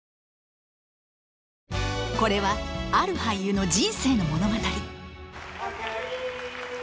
これはある俳優の人生の物語